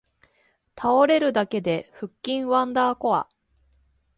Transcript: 倒れるだけで腹筋ワンダーコア